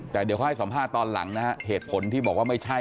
แต่เดี๋ยวเขาให้สัมภาษณ์ตอนหลังนะฮะเหตุผลที่บอกว่าไม่ใช่